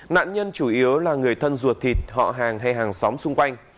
nạn nhân chủ yếu là người thân ruột thịt họ hàng hay hàng xóm xung quanh